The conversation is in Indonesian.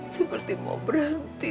seperti mau berhenti